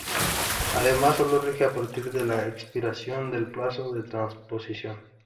Además sólo rige a partir de la expiración del plazo de transposición.